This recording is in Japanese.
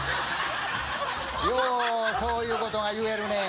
ようそういうことが言えるねぇ。